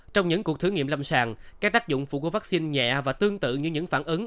trong những cuộc thử nghiệm lâm sàng các tác dụng phụ của vaccine nhẹ và tương tự như những phản ứng